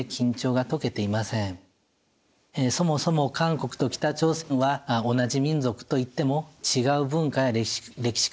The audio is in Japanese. そもそも韓国と北朝鮮は同じ民族といっても違う文化や歴史観を持っている。